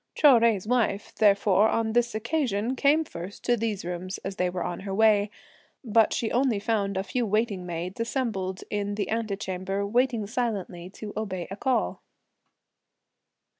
Chou Jui's wife, therefore, on this occasion came first to these rooms as they were on her way, but she only found a few waiting maids assembled in the antechamber, waiting silently to obey a call.